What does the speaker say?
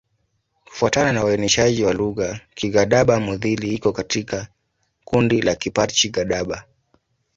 Kufuatana na uainishaji wa lugha, Kigadaba-Mudhili iko katika kundi la Kiparji-Gadaba.